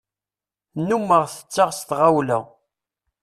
Nnumeɣ tetteɣ s tɣawla.